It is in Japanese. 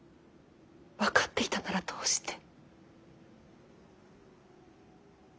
分かっていたならどうして。